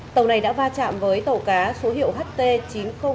tàu này đã va chạm với tàu cá số hiệu ht chín mươi nghìn hai trăm năm mươi năm ts